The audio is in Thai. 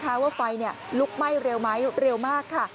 เพราะว่าไฟลุกไหม้เร็วมากค่ะ